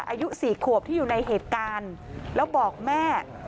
อายุ๔ขวบที่อยู่ในเหตุการณ์แล้วบอกแม่